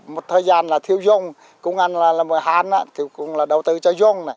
một thời gian là thiếu dung cũng là một hạn thì cũng là đầu tư cho dung này